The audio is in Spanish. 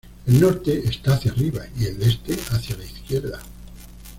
El norte está hacia arriba y el este hacia la izquierda.